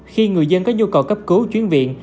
khi người dân có nhu cầu cấp cứu chuyển viện